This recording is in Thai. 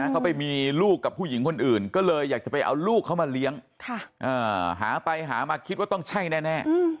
เขาไปมีลูกกับผู้หญิงคนอื่นก็เลยอยากจะไปเอาลูกเขามาเลี้ยงหาไปหามาคิดว่าต้องใช่แน่